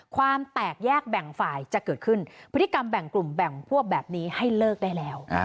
ความแตกแยกแบ่งฝ่ายจะเกิดขึ้นพฤติกรรมแบ่งกลุ่มแบ่งพวกแบบนี้ให้เลิกได้แล้ว